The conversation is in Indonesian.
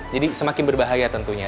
jadi semakin berbahaya tentunya